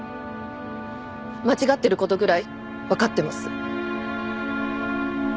間違ってる事ぐらいわかってます。